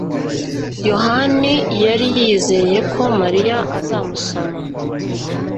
yohani yari yizeye ko Mariya azamusoma.